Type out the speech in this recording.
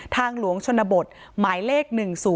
ทางหลวงชนบทหมายเลข๑๐๔